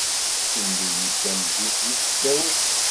Timlilit, tameddit deg tesdawit.